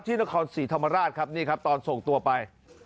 นครศรีธรรมราชครับนี่ครับตอนส่งตัวไป